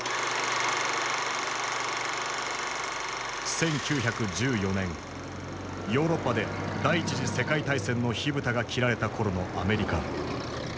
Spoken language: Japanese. １９１４年ヨーロッパで第一次世界大戦の火蓋が切られた頃のアメリカ。